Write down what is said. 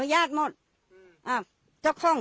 จ้าทำถูกต้อง